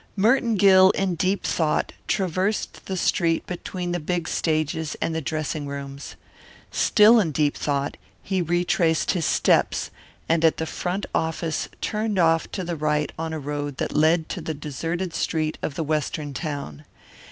Merton Gill in deep thought traversed the street between the big stages and the dressing rooms. Still in deep thought he retraced his steps, and at the front office turned off to the right on a road that led to the deserted street of the Western town.